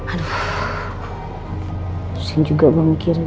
aduh pusing juga gue mikirin